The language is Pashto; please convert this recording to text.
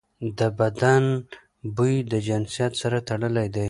د بدن بوی د جنسیت سره تړلی دی.